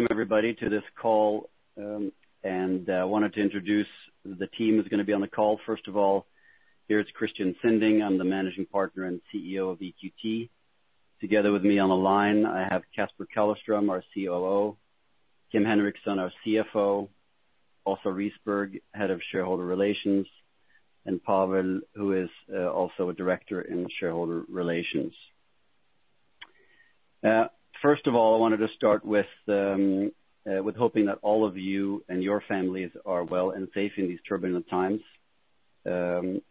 Welcome everybody to this call, and I wanted to introduce the team that's going to be on the call. First of all, here is Christian Sinding. I'm the Managing Partner and CEO of EQT. Together with me on the line, I have Caspar Callerström, our COO, Kim Henriksson, our CFO, Åsa Riisberg, Head of Shareholder Relations, and Pawel, who is also a Director in Shareholder Relations. First of all, I wanted to start with hoping that all of you and your families are well and safe in these turbulent times. Our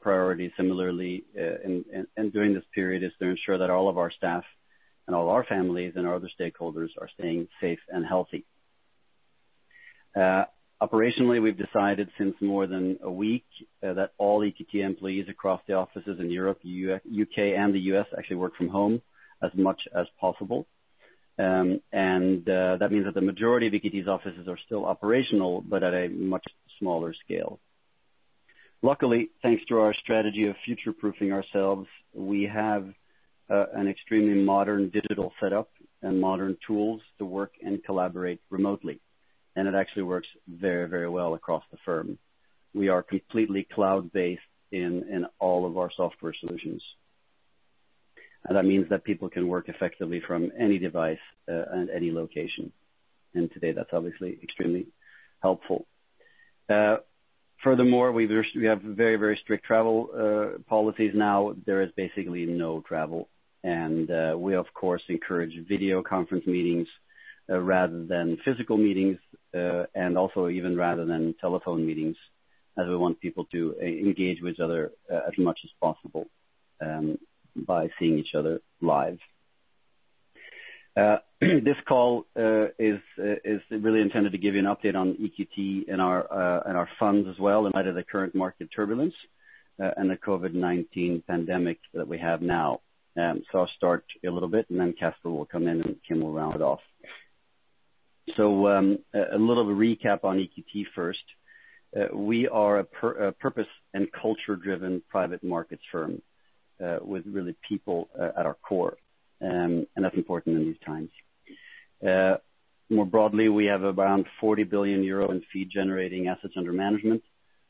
priority similarly, and during this period, is to ensure that all of our staff and all our families and our other stakeholders are staying safe and healthy. Operationally, we've decided since more than a week, that all EQT employees across the offices in Europe, U.K., and the U.S. actually work from home as much as possible. That means that the majority of EQT's offices are still operational, but at a much smaller scale. Luckily, thanks to our strategy of future-proofing ourselves, we have an extremely modern digital setup and modern tools to work and collaborate remotely, and it actually works very well across the firm. We are completely cloud-based in all of our software solutions. That means that people can work effectively from any device, and any location. Today, that's obviously extremely helpful. Furthermore, we have very strict travel policies now. There is basically no travel. We of course, encourage video conference meetings rather than physical meetings, and also even rather than telephone meetings, as we want people to engage with each other as much as possible by seeing each other live. This call is really intended to give you an update on EQT and our funds as well in light of the current market turbulence and the COVID-19 pandemic that we have now. I'll start a little bit, and then Caspar will come in, and Kim will round it off. A little recap on EQT first. We are a purpose and culture-driven private markets firm, with really people at our core, and that's important in these times. More broadly, we have around 40 billion euro in fee-generating assets under management,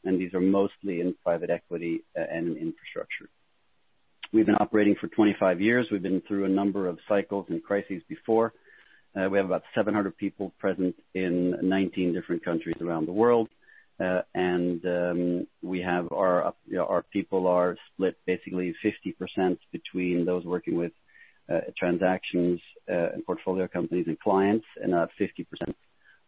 and these are mostly in private equity and infrastructure. We've been operating for 25 years. We've been through a number of cycles and crises before. We have about 700 people present in 19 different countries around the world. Our people are split basically 50% between those working with transactions and portfolio companies and clients, and 50%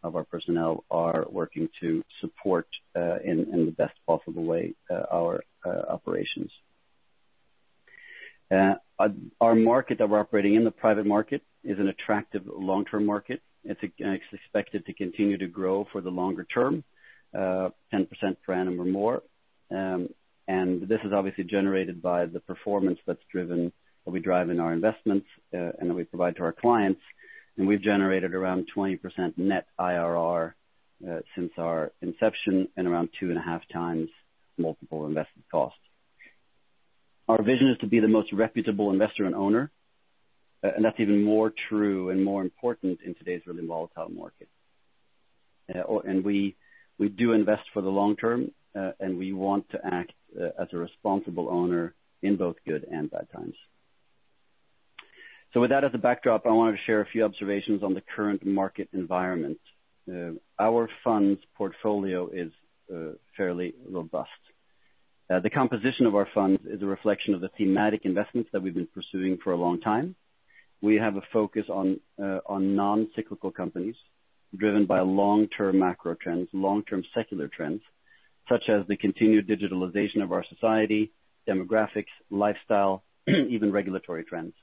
of our personnel are working to support, in the best possible way, our operations. Our market that we're operating in, the private market, is an attractive long-term market. It's expected to continue to grow for the longer term, 10% per annum or more. This is obviously generated by the performance that we drive in our investments, and that we provide to our clients. We've generated around 20% net IRR since our inception, and around two and a half times multiple investment costs. Our vision is to be the most reputable investor and owner, and that's even more true and more important in today's really volatile market. We do invest for the long term, and we want to act as a responsible owner in both good and bad times. With that as a backdrop, I wanted to share a few observations on the current market environment. Our funds portfolio is fairly robust. The composition of our funds is a reflection of the thematic investments that we've been pursuing for a long time. We have a focus on non-cyclical companies driven by long-term macro trends, long-term secular trends, such as the continued digitalization of our society, demographics, lifestyle, even regulatory trends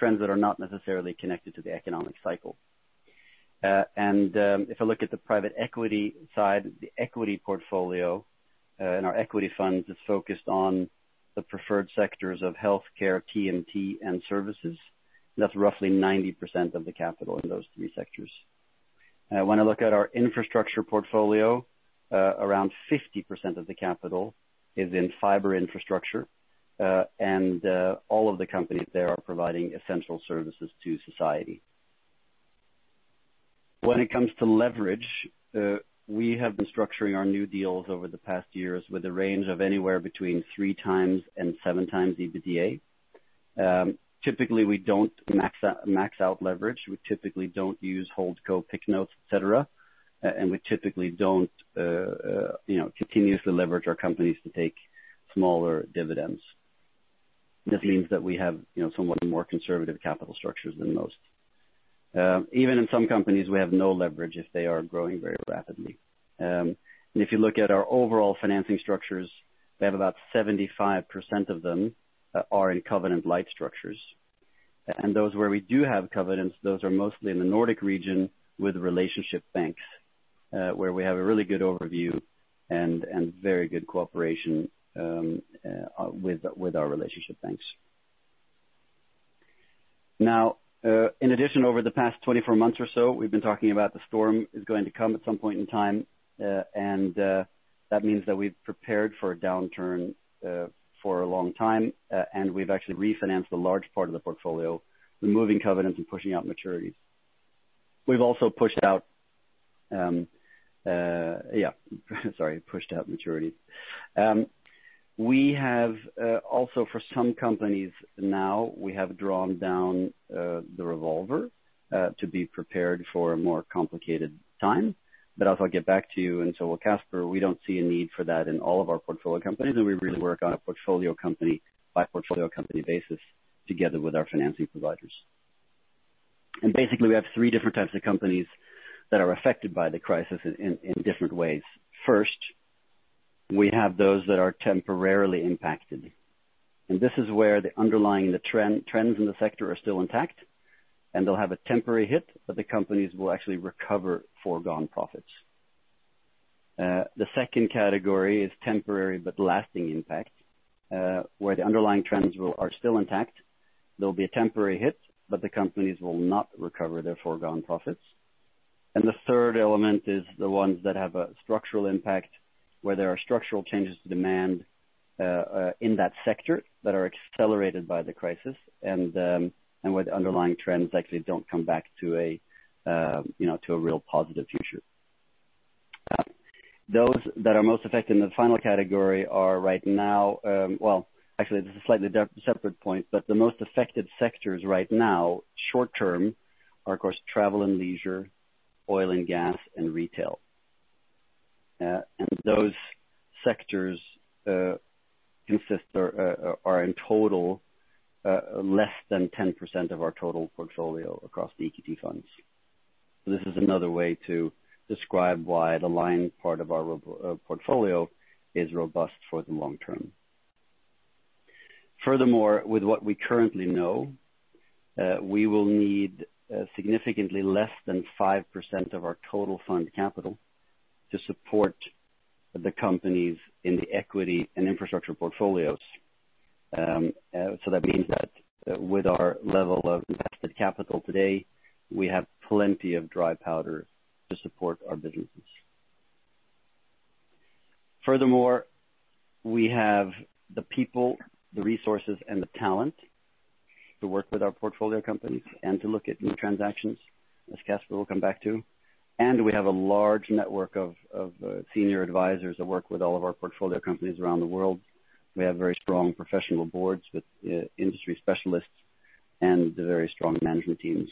that are not necessarily connected to the economic cycle. If I look at the private equity side, the equity portfolio and our equity funds is focused on the preferred sectors of healthcare, TMT, and services. That's roughly 90% of the capital in those three sectors. When I look at our infrastructure portfolio, around 50% of the capital is in fiber infrastructure, and all of the companies there are providing essential services to society. When it comes to leverage, we have been structuring our new deals over the past years with a range of anywhere between three times and seven times EBITDA. Typically, we don't max out leverage. We typically don't use holdco PIK notes, et cetera. We typically don't continuously leverage our companies to take smaller dividends. This means that we have somewhat more conservative capital structures than most. Even in some companies, we have no leverage if they are growing very rapidly. If you look at our overall financing structures, we have about 75% of them are in covenant-light structures. Those where we do have covenants, those are mostly in the Nordic region with relationship banks, where we have a really good overview and very good cooperation with our relationship banks. Now, in addition, over the past 24 months or so, we've been talking about the storm is going to come at some point in time, and that means that we've prepared for a downturn for a long time, and we've actually refinanced a large part of the portfolio, removing covenants and pushing out maturities. We've also pushed out maturity. We have also, for some companies now, we have drawn down the revolver to be prepared for a more complicated time. As I'll get back to you and so will Caspar, we don't see a need for that in all of our portfolio companies, and we really work on a portfolio company by portfolio company basis together with our financing providers. Basically we have three different types of companies that are affected by the crisis in different ways. First, we have those that are temporarily impacted, and this is where the underlying trends in the sector are still intact, and they'll have a temporary hit, but the companies will actually recover foregone profits. The second category is temporary but lasting impact, where the underlying trends are still intact. There'll be a temporary hit, but the companies will not recover their foregone profits. The third element is the ones that have a structural impact, where there are structural changes to demand in that sector that are accelerated by the crisis and where the underlying trends actually don't come back to a real positive future. Well, actually, this is a slightly separate point, but the most affected sectors right now, short-term, are, of course, travel and leisure, oil and gas, and retail. Those sectors consist or are in total less than 10% of our total portfolio across the EQT funds. This is another way to describe why the lion part of our portfolio is robust for the long term. Furthermore, with what we currently know, we will need significantly less than 5% of our total fund capital to support the companies in the EQT and infrastructure portfolios. That means that with our level of invested capital today, we have plenty of dry powder to support our businesses. Furthermore, we have the people, the resources, and the talent to work with our portfolio companies and to look at new transactions, as Caspar will come back to. We have a large network of senior advisors that work with all of our portfolio companies around the world. We have very strong professional boards with industry specialists and very strong management teams.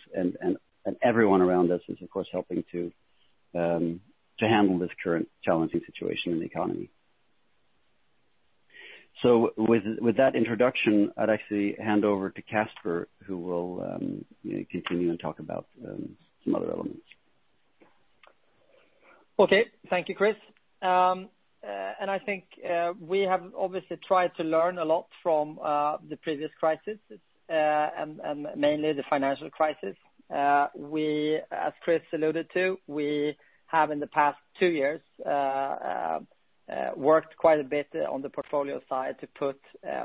Everyone around us is, of course, helping to handle this current challenging situation in the economy. With that introduction, I'd actually hand over to Caspar, who will continue and talk about some other elements. Okay. Thank you, Chris. I think we have obviously tried to learn a lot from the previous crisis, mainly the financial crisis. As Chris alluded to, we have in the past two years, worked quite a bit on the portfolio side to put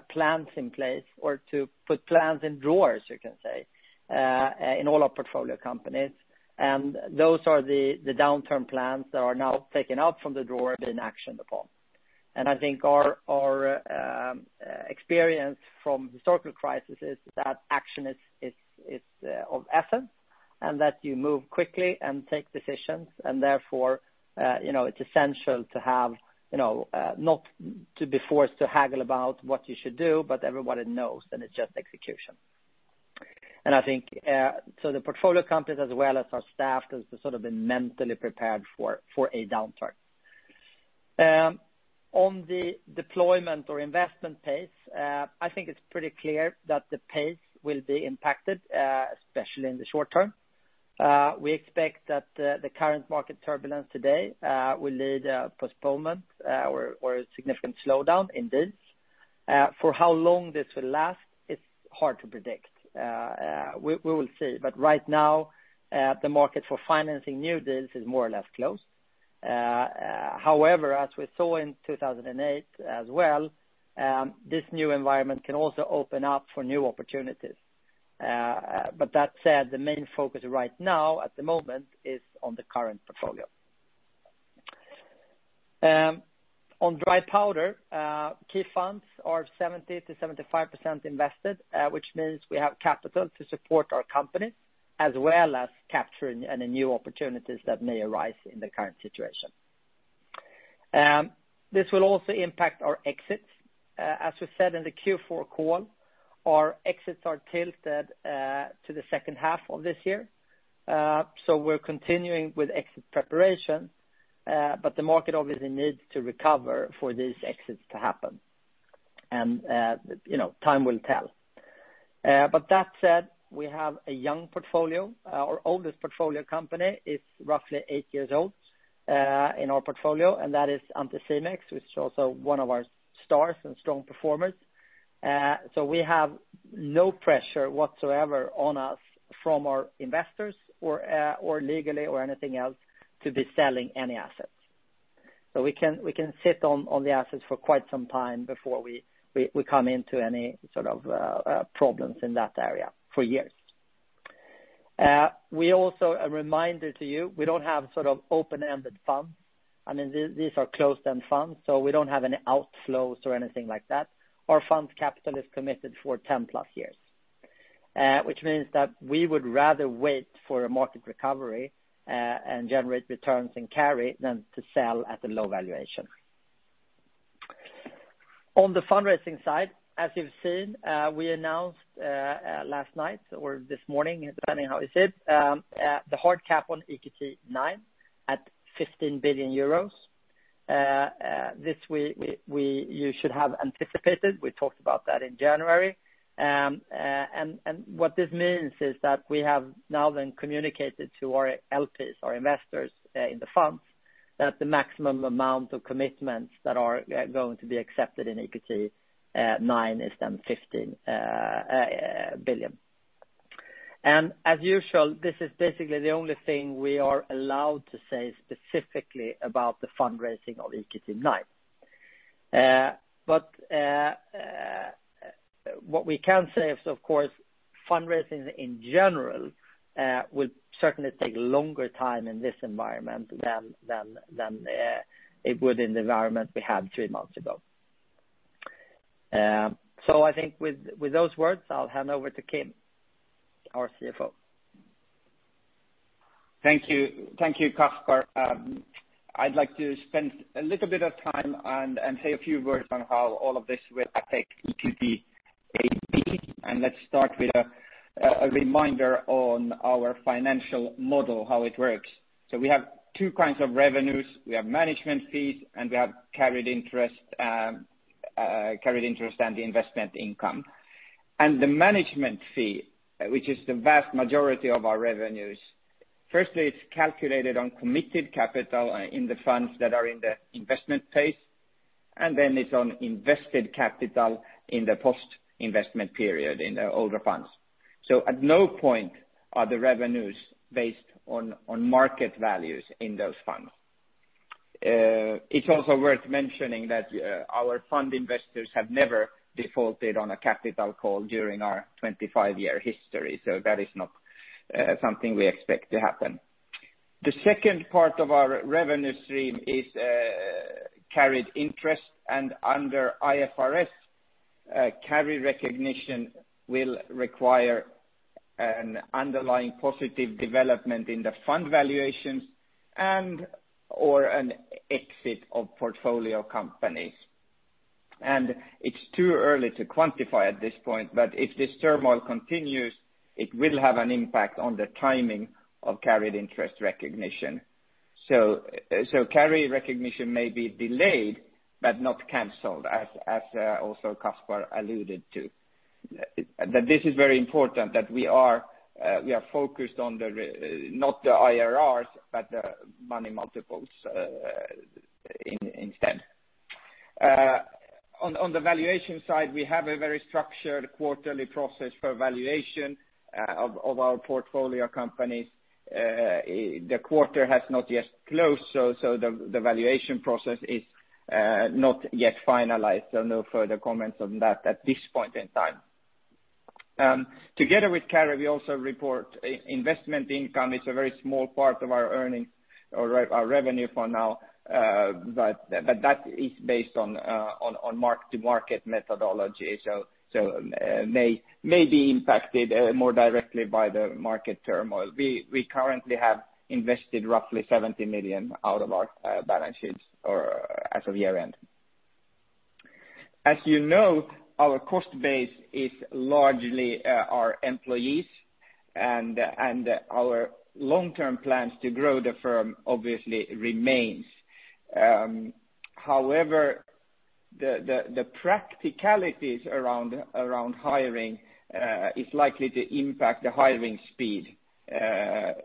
plans in place or to put plans in drawers, you can say, in all our portfolio companies. Those are the downturn plans that are now taken out from the drawer, been actioned upon. I think our experience from historical crisis is that action is of essence and that you move quickly and take decisions and therefore it's essential to have, not to be forced to haggle about what you should do, but everybody knows, and it's just execution. The portfolio companies as well as our staff has sort of been mentally prepared for a downturn. On the deployment or investment pace, I think it's pretty clear that the pace will be impacted, especially in the short term. We expect that the current market turbulence today will lead a postponement or a significant slowdown in deals. For how long this will last, it's hard to predict. We will see, but right now, the market for financing new deals is more or less closed. However, as we saw in 2008 as well, this new environment can also open up for new opportunities. That said, the main focus right now at the moment is on the current portfolio. On dry powder, key funds are 70%-75% invested, which means we have capital to support our companies as well as capturing any new opportunities that may arise in the current situation. This will also impact our exits. As we said in the Q4 call, our exits are tilted to the second half of this year. We're continuing with exit preparation, but the market obviously needs to recover for these exits to happen, and time will tell. That said, we have a young portfolio. Our oldest portfolio company is roughly eight years old in our portfolio, and that is Anticimex, which is also one of our stars and strong performers. We have no pressure whatsoever on us from our investors or legally or anything else to be selling any assets. We can sit on the assets for quite some time before we come into any sort of problems in that area for years. A reminder to you, we don't have open-ended funds. These are closed-end funds. We don't have any outflows or anything like that. Our fund capital is committed for 10+ years, which means that we would rather wait for a market recovery and generate returns in carry than to sell at a low valuation. On the fundraising side, as you've seen, we announced last night or this morning, depending how you see it, the hard cap on EQT IX at EUR 15 billion. This you should have anticipated. We talked about that in January. What this means is that we have now then communicated to our LPs, our investors in the funds, that the maximum amount of commitments that are going to be accepted in EQT IX is then 15 billion. As usual, this is basically the only thing we are allowed to say specifically about the fundraising of EQT IX. What we can say is, of course, fundraising in general will certainly take longer time in this environment than it would in the environment we had three months ago. I think with those words, I'll hand over to Kim, our CFO. Thank you, Caspar. I'd like to spend a little bit of time and say a few words on how all of this will affect EQT AB. Let's start with a reminder on our financial model, how it works. We have two kinds of revenues. We have management fees, and we have carried interest and the investment income. The management fee, which is the vast majority of our revenues, firstly, it's calculated on committed capital in the funds that are in the investment phase, and then it's on invested capital in the post-investment period in the older funds. At no point are the revenues based on market values in those funds. It's also worth mentioning that our fund investors have never defaulted on a capital call during our 25-year history, so that is not something we expect to happen. The second part of our revenue stream is carried interest. Under IFRS, carry recognition will require an underlying positive development in the fund valuations and/or an exit of portfolio companies. It's too early to quantify at this point, but if this turmoil continues, it will have an impact on the timing of carried interest recognition. Carry recognition may be delayed but not canceled, as also Caspar alluded to. That this is very important that we are focused on not the IRRs, but the money multiples instead. On the valuation side, we have a very structured quarterly process for valuation of our portfolio companies. The quarter has not yet closed, so the valuation process is not yet finalized. No further comments on that at this point in time. Together with carry, we also report investment income. It's a very small part of our revenue for now. That is based on mark-to-market methodology, so may be impacted more directly by the market turmoil. We currently have invested roughly 70 million out of our balance sheets as of year-end. As you know, our cost base is largely our employees and our long-term plans to grow the firm obviously remains. However, the practicalities around hiring is likely to impact the hiring speed,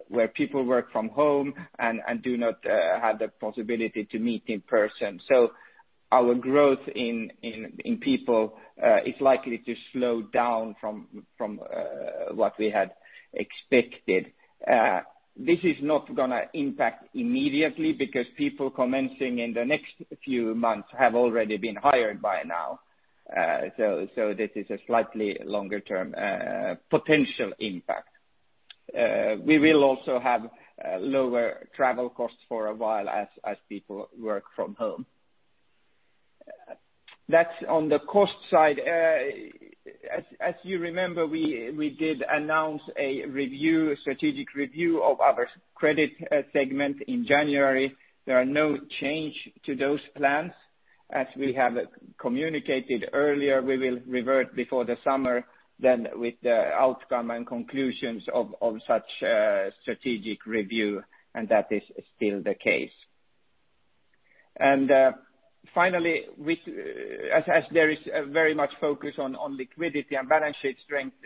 where people work from home and do not have the possibility to meet in person. Our growth in people is likely to slow down from what we had expected. This is not going to impact immediately because people commencing in the next few months have already been hired by now. This is a slightly longer-term potential impact. We will also have lower travel costs for a while as people work from home. That's on the cost side. As you remember, we did announce a strategic review of our credit segment in January. There are no change to those plans. As we have communicated earlier, we will revert before the summer then with the outcome and conclusions of such strategic review, and that is still the case. Finally, as there is very much focus on liquidity and balance sheet strength,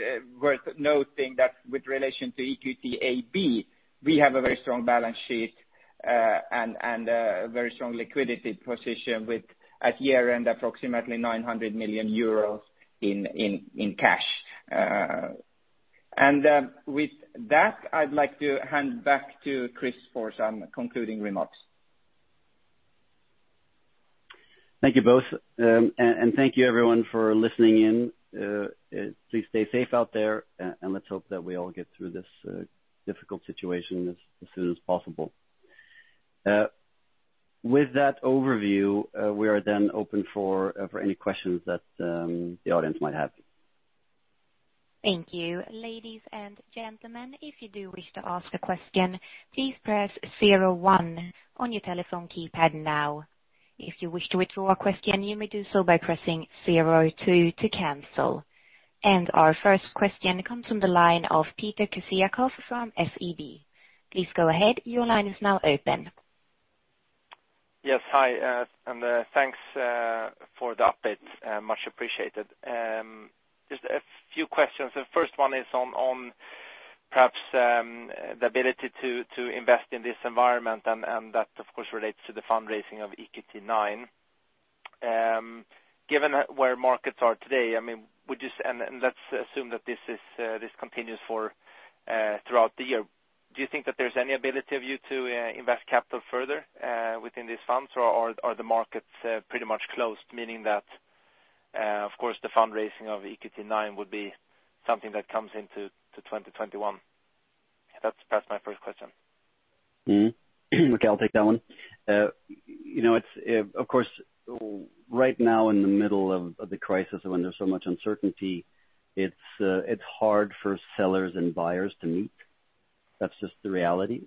worth noting that with relation to EQT AB, we have a very strong balance sheet and a very strong liquidity position with at year-end approximately 900 million euros in cash. With that, I'd like to hand back to Chris for some concluding remarks. Thank you both, and thank you everyone for listening in. Please stay safe out there, and let's hope that we all get through this difficult situation as soon as possible. With that overview, we are then open for any questions that the audience might have. Thank you. Ladies and gentlemen, if you do wish to ask a question, please press zero one on your telephone keypad now. If you wish to withdraw a question, you may do so by pressing zero two to cancel. Our first question comes from the line of Peter Kessiakoff from SEB. Please go ahead. Your line is now open. Yes, Hi, and thanks for the update. Much appreciated. Just a few questions. The first one is on perhaps the ability to invest in this environment and that, of course, relates to the fundraising of EQT IX. Given where markets are today, and let's assume that this continues throughout the year, do you think that there's any ability of you to invest capital further within these funds or are the markets pretty much closed, meaning that, of course, the fundraising of EQT IX would be something that comes into 2021? That's my first question. Okay, I'll take that one. Right now in the middle of the crisis when there's so much uncertainty, it's hard for sellers and buyers to meet. That's just the reality.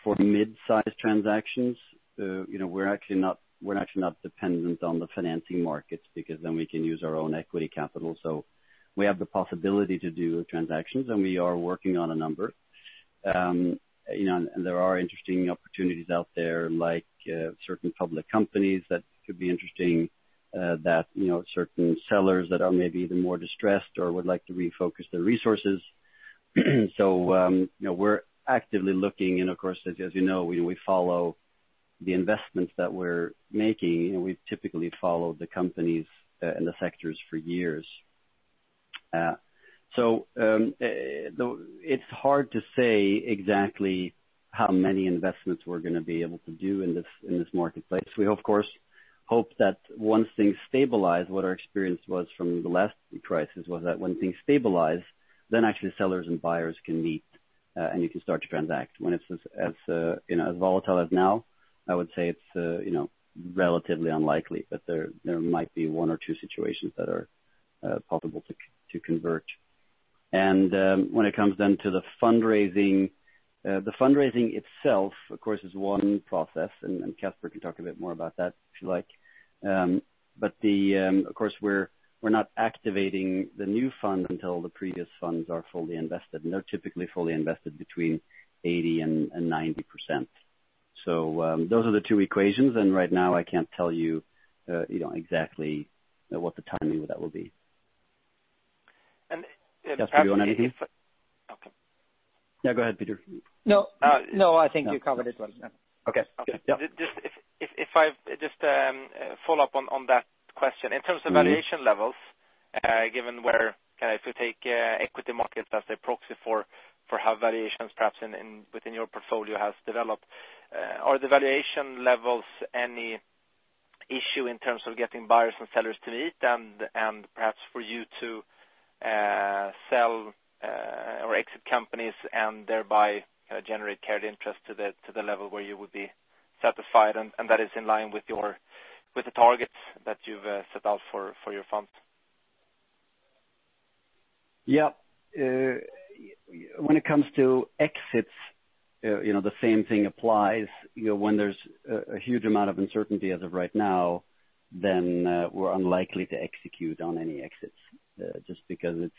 For mid-size transactions, we're actually not dependent on the financing markets because then we can use our own equity capital. We have the possibility to do transactions, and we are working on a number. There are interesting opportunities out there, like certain public companies that could be interesting, that certain sellers that are maybe even more distressed or would like to refocus their resources. We're actively looking and, of course, as you know, we follow the investments that we're making, and we've typically followed the companies and the sectors for years. It's hard to say exactly how many investments we're going to be able to do in this marketplace. We, of course, hope that once things stabilize, what our experience was from the last crisis was that when things stabilize, then actually sellers and buyers can meet, and you can start to transact. When it's as volatile as now, I would say it's relatively unlikely, but there might be one or two situations that are possible to convert. When it comes then to the fundraising, the fundraising itself, of course, is one process, and Caspar can talk a bit more about that if you like. Of course, we're not activating the new fund until the previous funds are fully invested, and they're typically fully invested between 80% and 90%. Those are the two equations, and right now I can't tell you exactly what the timing of that will be. And- Caspar, you want to add anything? Okay. Yeah, go ahead, Peter. No, I think you covered it well. Okay. Yeah. If I follow up on that question. In terms of valuation levels, given where if you take equity markets as a proxy for how valuations perhaps within your portfolio has developed, are the valuation levels any issue in terms of getting buyers and sellers to meet and perhaps for you to sell or exit companies and thereby generate carried interest to the level where you would be satisfied and that is in line with the targets that you've set out for your fund? Yeah. When it comes to exits, the same thing applies. When there's a huge amount of uncertainty as of right now, then we're unlikely to execute on any exits just because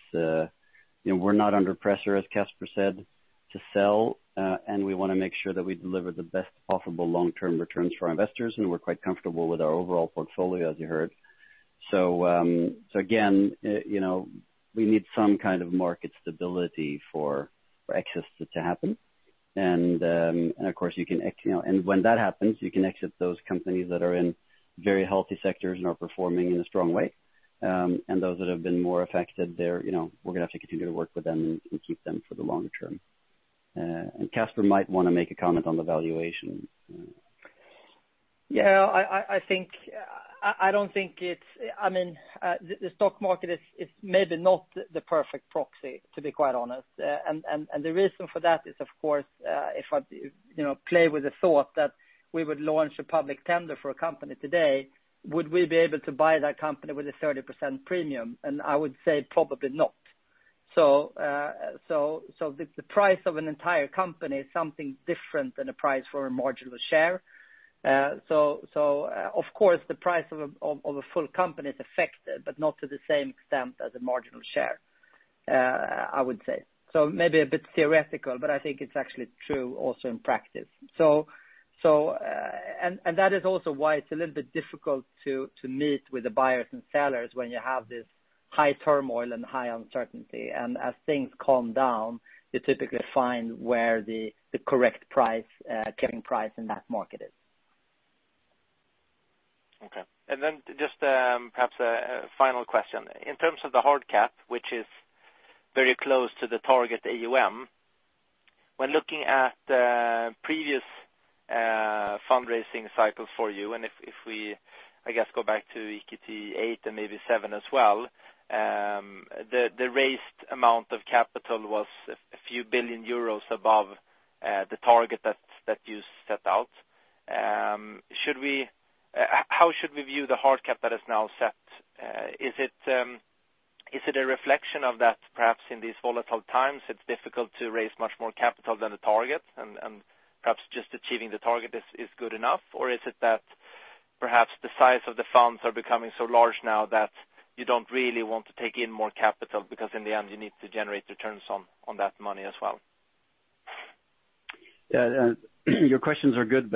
we're not under pressure, as Caspar said, to sell, and we want to make sure that we deliver the best possible long-term returns for our investors, and we're quite comfortable with our overall portfolio, as you heard. Again, we need some kind of market stability for exits to happen. Of course, and when that happens, you can exit those companies that are in very healthy sectors and are performing in a strong way. Those that have been more affected there, we're going to have to continue to work with them and keep them for the longer term. Caspar might want to make a comment on the valuation. Yeah, the stock market is maybe not the perfect proxy, to be quite honest. The reason for that is, of course, if I play with the thought that we would launch a public tender for a company today, would we be able to buy that company with a 30% premium? I would say probably not. The price of an entire company is something different than a price for a marginal share. Of course, the price of a full company is affected, but not to the same extent as a marginal share, I would say. Maybe a bit theoretical, but I think it's actually true also in practice. That is also why it's a little bit difficult to meet with the buyers and sellers when you have this high turmoil and high uncertainty. As things calm down, you typically find where the correct price, carrying price in that market is. Okay. Just perhaps a final question. In terms of the hard cap, which is very close to the target AUM, when looking at previous fundraising cycles for you, and if we go back to EQT VIII and maybe EQT VII as well, the raised amount of capital was a few billion euros above the target that you set out. How should we view the hard cap that is now set? Is it a reflection of that perhaps in these volatile times, it's difficult to raise much more capital than the target, and perhaps just achieving the target is good enough? Is it that perhaps the size of the funds are becoming so large now that you don't really want to take in more capital because in the end, you need to generate returns on that money as well? Yeah. Your questions are good,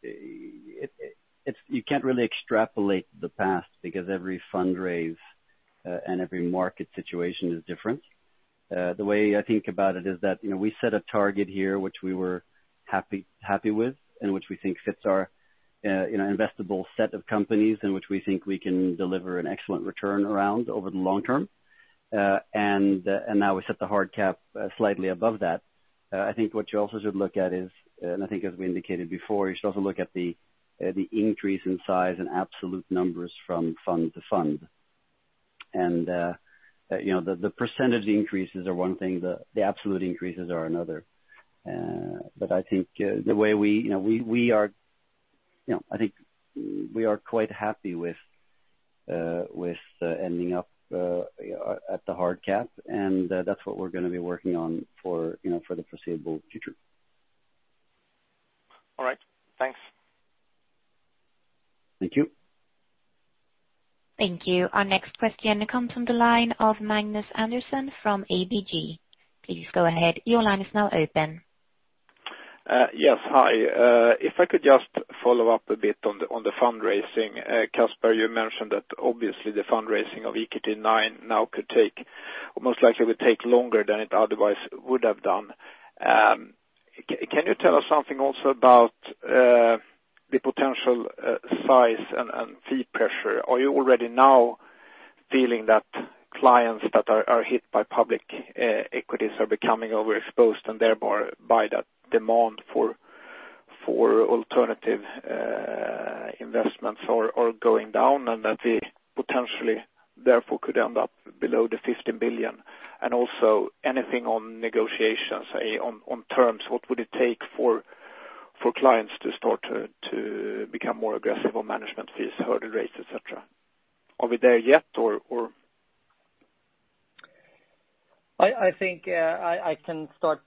you can't really extrapolate the past because every fundraise and every market situation is different. The way I think about it is that we set a target here which we were happy with, and which we think fits our investable set of companies, and which we think we can deliver an excellent return around over the long term. Now we set the hard cap slightly above that. I think what you also should look at is, and I think as we indicated before, you should also look at the increase in size and absolute numbers from fund to fund. The percentage increases are one thing, the absolute increases are another. I think we are quite happy with ending up at the hard cap, and that's what we're going to be working on for the foreseeable future. All right. Thanks. Thank you. Thank you. Our next question comes from the line of Magnus Andersson from ABG. Please go ahead. Your line is now open. Yes. Hi. If I could just follow up a bit on the fundraising. Caspar, you mentioned that obviously the fundraising of EQT IX now could take, or most likely will take longer than it otherwise would have done. Can you tell us something also about the potential size and fee pressure? Are you already now feeling that clients that are hit by public equities are becoming overexposed and thereby that demand for alternative investments are going down and that we potentially therefore could end up below the 15 billion? Also anything on negotiations, on terms, what would it take for clients to start to become more aggressive on management fees, hurdle rates, et cetera? Are we there yet or? I think I can start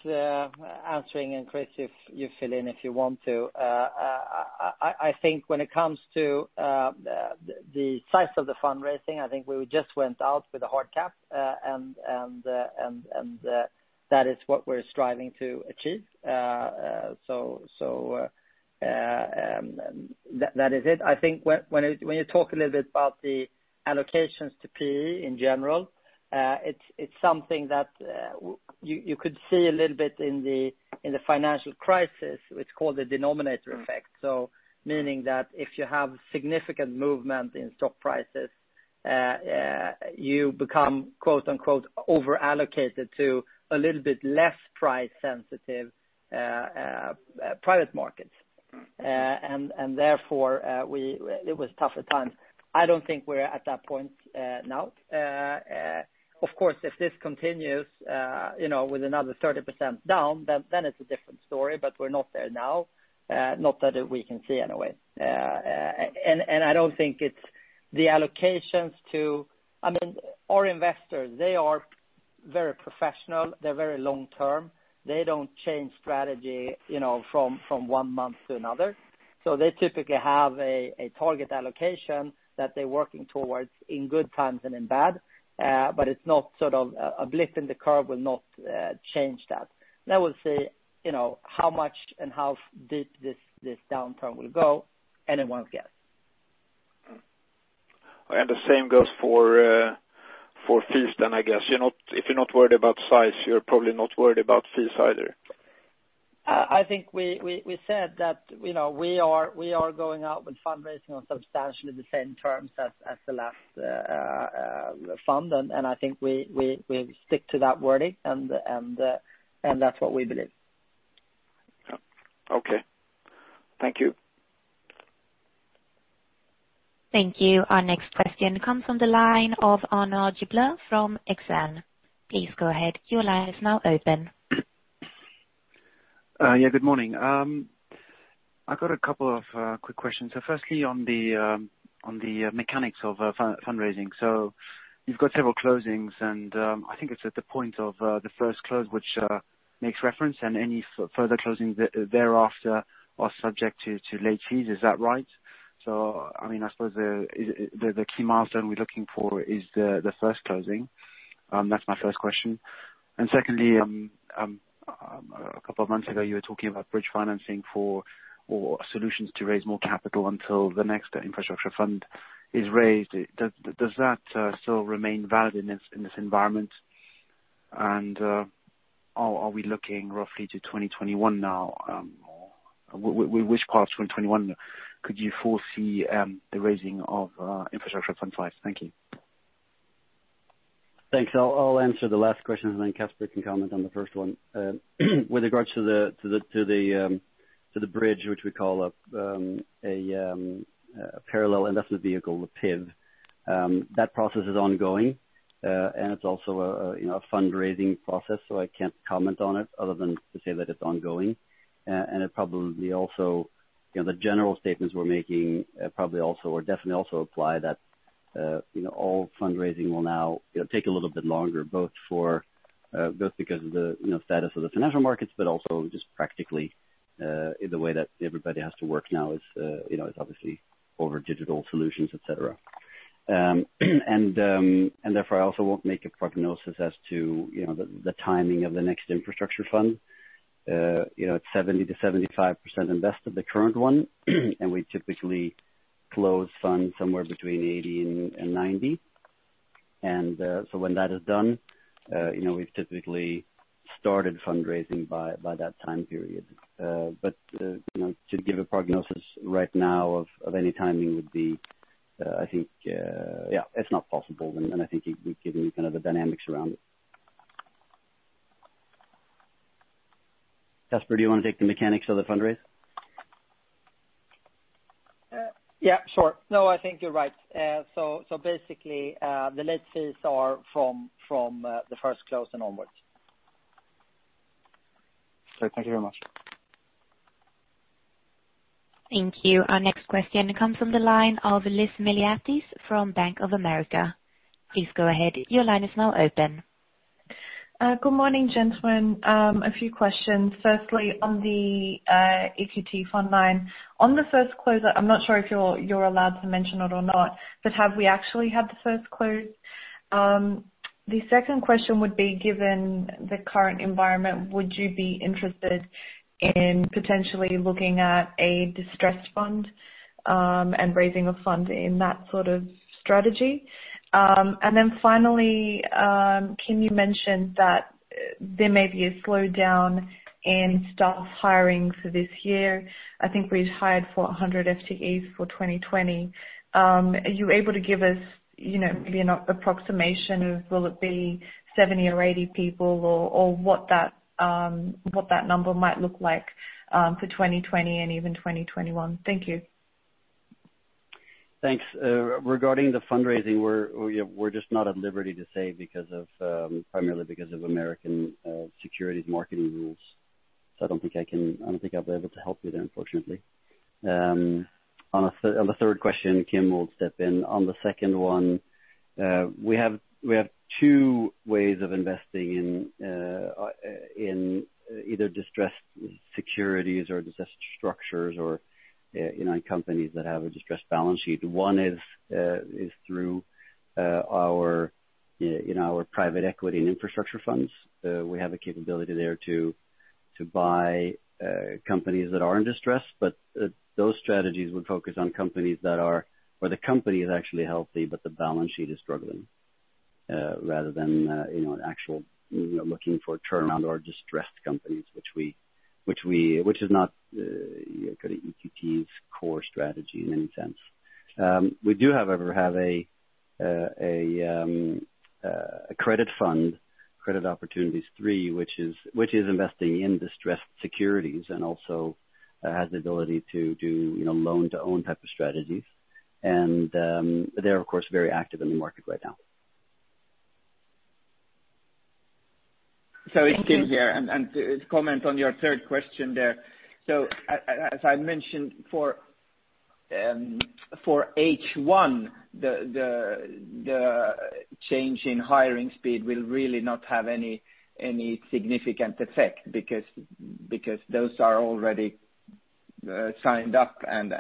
answering, and Chris, you fill in if you want to. I think when it comes to the size of the fundraising, I think we just went out with a hard cap. That is what we're striving to achieve. That is it. I think when you talk a little bit about the allocations to PE in general, it's something that you could see a little bit in the financial crisis, it's called the denominator effect. Meaning that if you have significant movement in stock prices you become "over-allocated" to a little bit less price-sensitive private markets. Therefore, it was tougher times. I don't think we're at that point now. Of course, if this continues with another 30% down, it's a different story. We're not there now. Not that we can see anyway. I don't think it's the allocations to our investors, they are very professional, they're very long-term. They don't change strategy from one month to another. They typically have a target allocation that they're working towards in good times and in bad, but a blip in the curve will not change that. We'll see how much and how deep this downturn will go, anyone's guess. The same goes for fees then, I guess. If you're not worried about size, you're probably not worried about fees either. I think we said that we are going out with fundraising on substantially the same terms as the last fund. I think we stick to that wording. That's what we believe. Yeah. Okay. Thank you. Thank you. Our next question comes from the line of Arnaud Giblat from Exane. Please go ahead. Your line is now open. Good morning. I've got a couple of quick questions. Firstly, on the mechanics of fundraising. You've got several closings, and I think it's at the point of the first close which makes reference and any further closings thereafter are subject to late fees. Is that right? I suppose the key milestone we're looking for is the first closing. That's my first question. Secondly, a couple of months ago, you were talking about bridge financing for, or solutions to raise more capital until the next infrastructure fund is raised. Does that still remain valid in this environment? Are we looking roughly to 2021 now? Which parts of 2021 could you foresee the raising of infrastructure fund flights? Thank you. Thanks. I'll answer the last question, and then Caspar can comment on the first one. With regards to the bridge, which we call a parallel investment vehicle, a PIV. That process is ongoing. It's also a fundraising process, so I can't comment on it other than to say that it's ongoing. The general statements we're making probably also, or definitely also apply that all fundraising will now take a little bit longer, both because of the status of the financial markets, but also just practically, the way that everybody has to work now is obviously over digital solutions, et cetera. Therefore, I also won't make a prognosis as to the timing of the next infrastructure fund. It's 70%-75% invested, the current one, and we typically close funds somewhere between 80% and 90%. When that is done we've typically started fundraising by that time period. To give a prognosis right now of any timing would be, I think, yeah, it's not possible. I think we've given you the dynamics around it. Caspar, do you want to take the mechanics of the fundraise? Yeah, sure. No, I think you're right. Basically, the late fees are from the first close and onward. Okay. Thank you very much. Thank you. Our next question comes from the line of Liz Miliatis from Bank of America. Please go ahead. Your line is now open. Good morning, gentlemen. A few questions. Firstly, on the EQT IX. On the first close, I'm not sure if you're allowed to mention it or not, but have we actually had the first close? The second question would be, given the current environment, would you be interested in potentially looking at a distressed fund, and raising a fund in that sort of strategy? Finally, can you mention that there may be a slowdown in staff hiring for this year? I think we'd hired 400 FTEs for 2020. Are you able to give us maybe an approximation of will it be 70 or 80 people, or what that number might look like for 2020 and even 2021? Thank you. Thanks. Regarding the fundraising, we're just not at liberty to say primarily because of U.S. securities marketing rules. I don't think I'll be able to help you there, unfortunately. On the third question, Kim will step in. On the second one, we have two ways of investing in either distressed securities or distressed structures or in companies that have a distressed balance sheet. One is through our private equity and infrastructure funds. We have the capability there to buy companies that are in distress, but those strategies would focus on companies where the company is actually healthy, but the balance sheet is struggling, rather than an actual looking for turnaround or distressed companies, which is not EQT's core strategy in any sense. We do however have a credit fund, EQT Credit Opportunities III, which is investing in distressed securities and also has the ability to do loan-to-own type of strategies. They're of course very active in the market right now. Thank you. It's Kim here. To comment on your third question there. As I mentioned for H1, the change in hiring speed will really not have any significant effect because those are already signed up and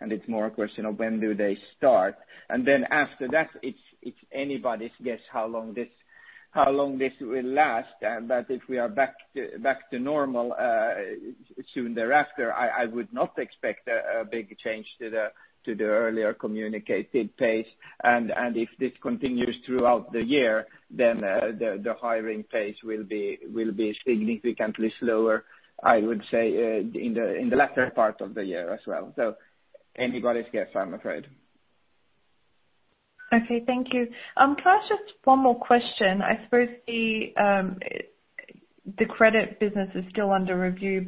it's more a question of when do they start. After that, it's anybody's guess how long this will last. If we are back to normal soon thereafter, I would not expect a big change to the earlier communicated pace. If this continues throughout the year, the hiring pace will be significantly slower, I would say, in the latter part of the year as well. Anybody's guess, I'm afraid. Okay, thank you. Can I ask just one more question? I suppose the credit business is still under review.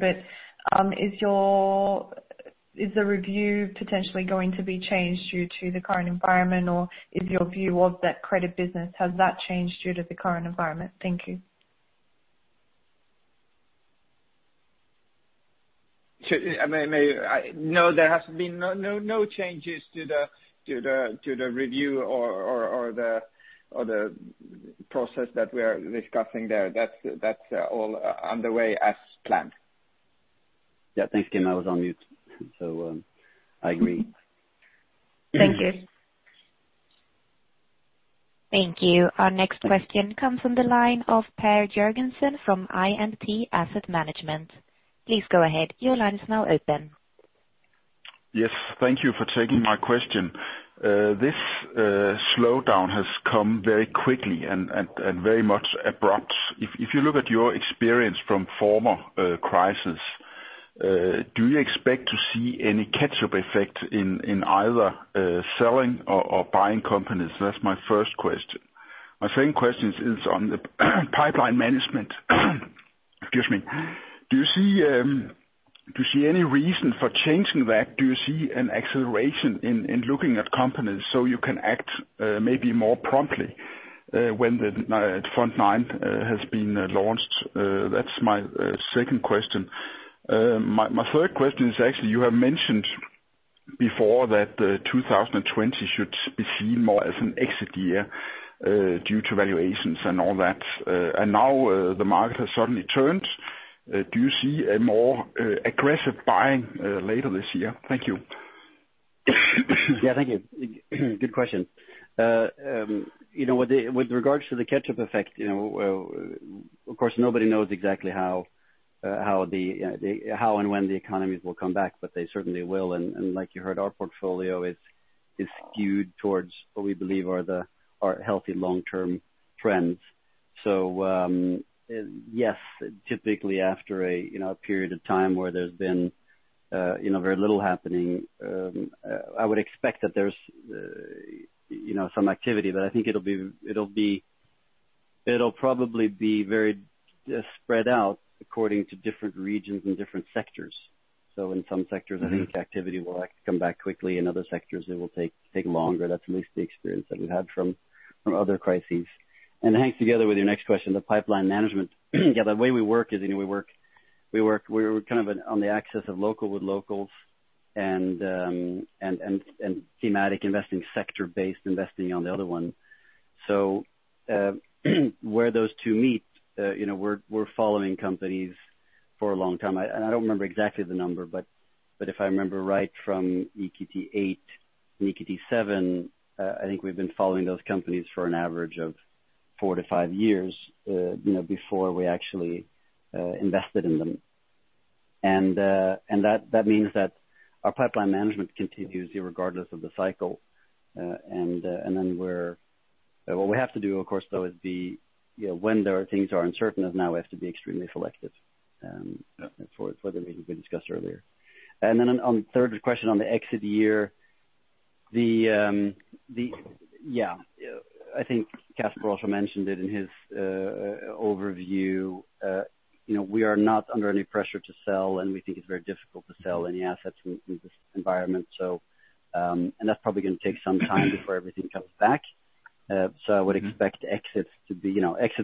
Is the review potentially going to be changed due to the current environment? Is your view of that credit business, has that changed due to the current environment? Thank you. No, there has been no changes to the review or the process that we are discussing there. That's all underway as planned. Yeah, thanks, Kim. I was on mute. I agree. Thank you. Thank you. Our next question comes from the line of Per Jørgensen from I&T Asset Management. Please go ahead. Your line is now open. Yes. Thank you for taking my question. This slowdown has come very quickly and very much abrupt. If you look at your experience from former crisis, do you expect to see any catch-up effect in either selling or buying companies? That's my first question. My second question is on the pipeline management. Excuse me. Do you see any reason for changing that? Do you see an acceleration in looking at companies so you can act maybe more promptly when the Fund IX has been launched? That's my second question. My third question is actually, you have mentioned before that 2020 should be seen more as an exit year due to valuations and all that. Now the market has suddenly turned. Do you see a more aggressive buying later this year? Thank you. Yeah. Thank you. Good question. With regards to the catch-up effect, of course, nobody knows exactly how and when the economies will come back, but they certainly will. Like you heard, our portfolio is skewed towards what we believe are healthy long-term trends. Yes, typically after a period of time where there's been very little happening, I would expect that there's some activity, but I think it'll probably be very spread out according to different regions and different sectors. In some sectors I think activity will come back quickly. In other sectors, it will take longer. That's at least the experience that we've had from other crises. Hangs together with your next question, the pipeline management. Yeah, the way we work is we're kind of on the axis of local with locals and thematic investing, sector-based investing on the other one. Where those two meet, we're following companies for a long time. I don't remember exactly the number, but if I remember right, from EQT VIII and EQT VII, I think we've been following those companies for an average of four to five years before we actually invested in them. That means that our pipeline management continues regardless of the cycle. What we have to do, of course, though, is when things are uncertain, is now we have to be extremely selective, for the reasons we discussed earlier. On the third question on the exit year, I think Caspar also mentioned it in his overview. We are not under any pressure to sell, and we think it's very difficult to sell any assets in this environment. That's probably going to take some time before everything comes back. I would expect exits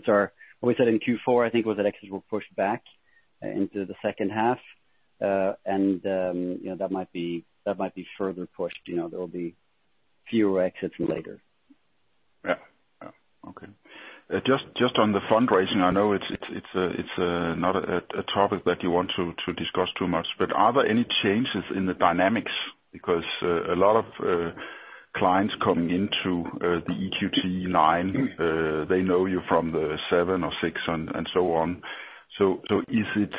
are, what we said in Q4, I think, was that exits were pushed back into the second half. That might be further pushed. There will be fewer exits later. Yeah. Okay. Just on the fundraising, I know it's not a topic that you want to discuss too much. Are there any changes in the dynamics? A lot of clients coming into the EQT IX, they know you from the VII or VI and so on. Is it,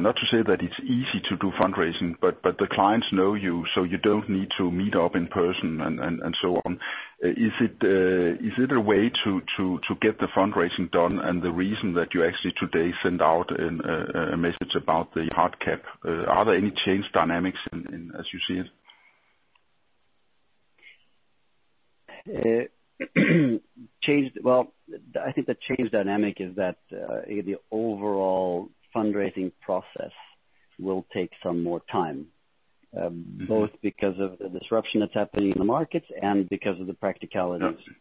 not to say that it's easy to do fundraising, but the clients know you, so you don't need to meet up in person and so on. Is it a way to get the fundraising done and the reason that you actually today send out a message about the hard cap? Are there any changed dynamics as you see it? Well, I think the changed dynamic is that the overall fundraising process will take some more time, both because of the disruption that's happening in the markets and because of the practicalities. Yeah.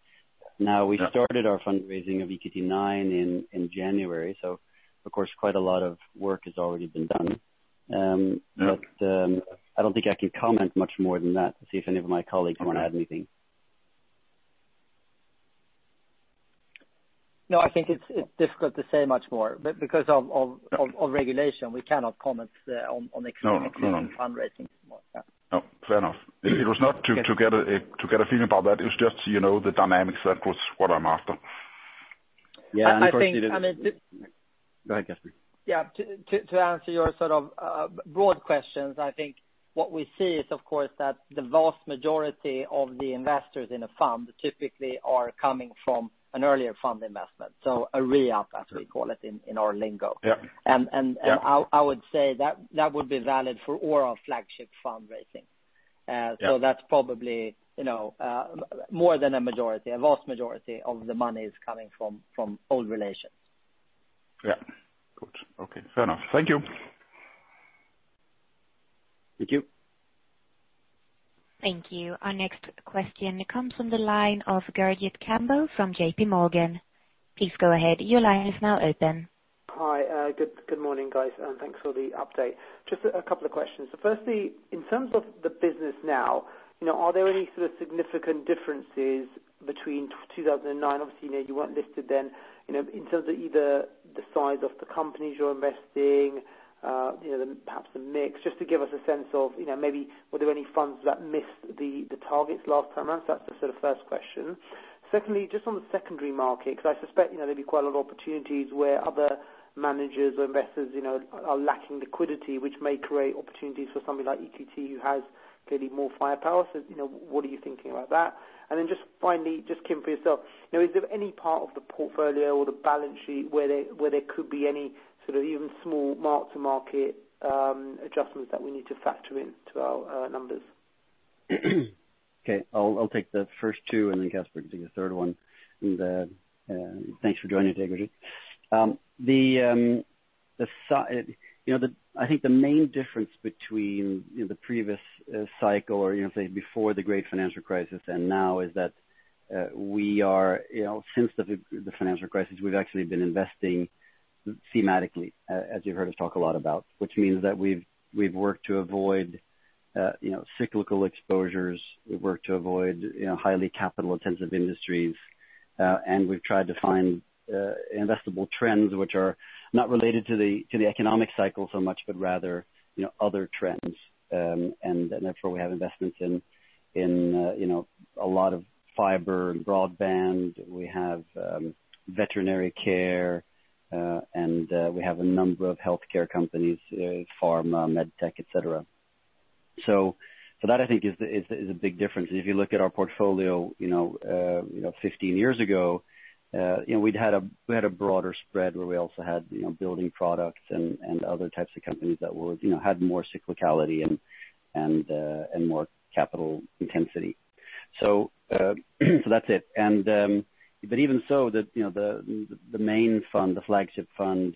Now, we started our fundraising of EQT IX in January, so of course, quite a lot of work has already been done. Yeah. I don't think I can comment much more than that to see if any of my colleagues want to add anything. No, I think it's difficult to say much more. Because of regulation, we cannot comment on existing- No fundraising more. Yeah. No. Fair enough. It was not to get a feeling about that. It's just the dynamics. That was what I'm after. Yeah. I think, I mean. Go ahead, Caspar. To answer your broad questions, I think what we see is, of course, that the vast majority of the investors in a fund typically are coming from an earlier fund investment. A re-up, as we call it in our lingo. Yeah. I would say that would be valid for all our flagship fundraising. Yeah. That's probably more than a majority. A vast majority of the money is coming from old relations. Yeah. Good. Okay. Fair enough. Thank you. Thank you. Thank you. Our next question comes from the line of Gurjit Kambo from JPMorgan. Please go ahead. Your line is now open. Hi. Good morning, guys. Thanks for the update. Just a couple of questions. Firstly, in terms of the business now, are there any sort of significant differences between 2009, obviously, you weren't listed then, in terms of either the size of the companies you're investing, perhaps the mix, just to give us a sense of maybe were there any funds that missed the targets last time around? That's the sort of first question. Secondly, just on the secondary market, because I suspect there'll be quite a lot of opportunities where other managers or investors are lacking liquidity, which may create opportunities for somebody like EQT, who has clearly more firepower. What are you thinking about that? Just finally, Kim, for yourself, is there any part of the portfolio or the balance sheet where there could be any sort of even small mark-to-market adjustments that we need to factor into our numbers? Okay. I'll take the first two, and then Caspar can take the third one. Thanks for joining, Gurjit. I think the main difference between the previous cycle or, say, before the great financial crisis and now is that since the financial crisis, we've actually been investing thematically, as you've heard us talk a lot about, which means that we've worked to avoid cyclical exposures, we've worked to avoid highly capital-intensive industries, and we've tried to find investable trends which are not related to the economic cycle so much, but rather other trends. Therefore, we have investments in a lot of fiber and broadband. We have veterinary care, and we have a number of healthcare companies, pharma, med tech, et cetera. That, I think, is a big difference. If you look at our portfolio 15 years ago, we had a broader spread where we also had building products and other types of companies that had more cyclicality and more capital intensity. That's it. Even so, the main fund, the flagship fund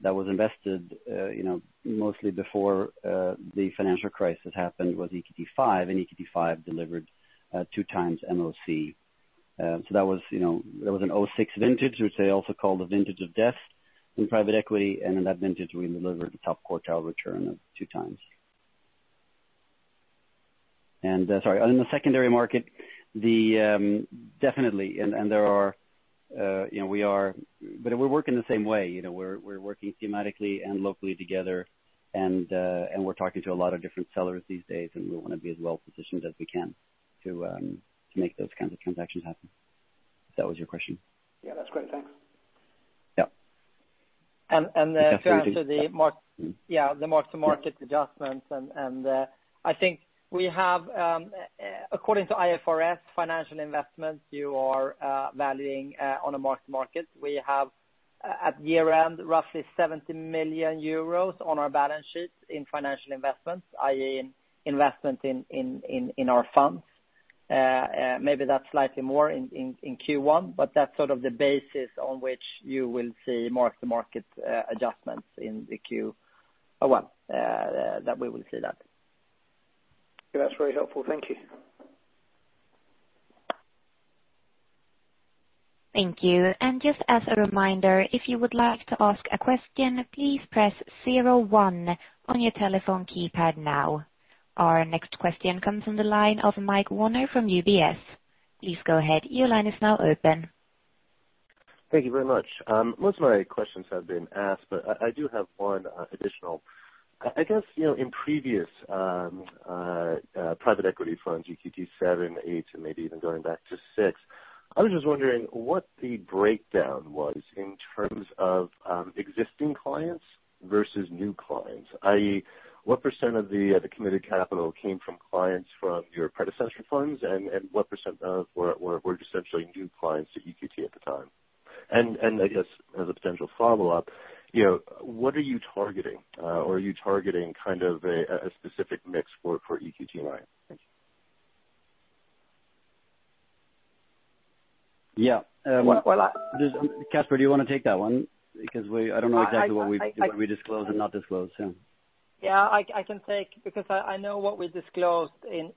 that was invested mostly before the financial crisis happened was EQT V, and EQT V delivered two times MoC. That was an '06 vintage, which they also call the vintage of death in private equity, and in that vintage, we delivered a top quartile return of two times. Sorry, in the secondary market, definitely. We're working the same way. We're working thematically and locally together, and we're talking to a lot of different sellers these days, and we want to be as well-positioned as we can to make those kinds of transactions happen. If that was your question. Yeah, that's great. Thanks. Yeah. To answer the mark-to-market adjustments, I think according to IFRS financial investments, you are valuing on a mark-to-market. We have, at year-end, roughly 70 million euros on our balance sheet in financial investments, i.e., investment in our funds. Maybe that's slightly more in Q1. That's sort of the basis on which you will see mark-to-market adjustments in the Q1, that we will see that. That's very helpful. Thank you. Thank you. Just as a reminder, if you would like to ask a question, please press zero one on your telephone keypad now. Our next question comes from the line of Michael Werner from UBS. Please go ahead. Your line is now open. Thank you very much. Most of my questions have been asked, but I do have one additional. I guess in previous private equity funds, EQT VII, EQT VIII, and maybe even going back to EQT VI, I was just wondering what the breakdown was in terms of existing clients versus new clients, i.e., what percent of the committed capital came from clients from your predecessor funds, and what percent were essentially new clients to EQT at the time? I guess as a potential follow-up, what are you targeting? Are you targeting kind of a specific mix for EQT IX? Thank you. Yeah. Well. Caspar, do you want to take that one? Because I don't know exactly what we disclose and not disclose. Yeah. Yeah, I can take because I know what we disclosed in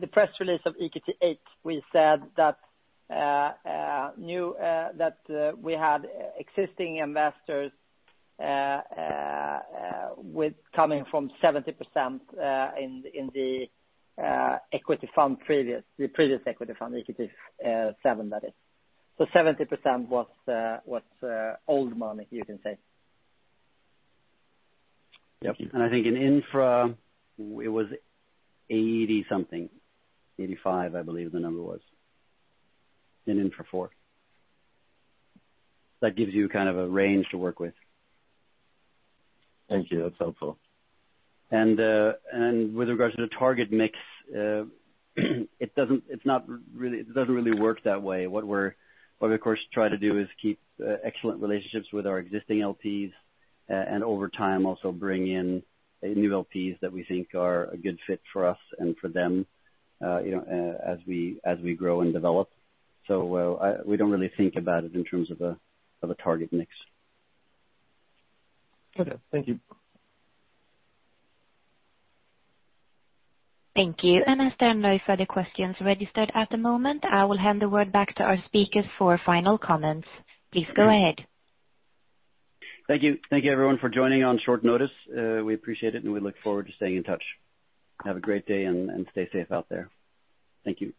the press release of EQT VIII. We said that we had existing investors coming from 70% in the previous equity fund, EQT VII, that is. 70% was old money, you can say. Yep. I think in Infra it was 80-something, 85%, I believe the number was in Infra IV. That gives you kind of a range to work with. Thank you. That's helpful. With regards to the target mix, it doesn't really work that way. What we, of course, try to do is keep excellent relationships with our existing LPs, and over time, also bring in new LPs that we think are a good fit for us and for them as we grow and develop. We don't really think about it in terms of a target mix. Okay. Thank you. Thank you. As there are no further questions registered at the moment, I will hand the word back to our speakers for final comments. Please go ahead. Thank you. Thank you everyone for joining on short notice. We appreciate it, and we look forward to staying in touch. Have a great day and stay safe out there. Thank you.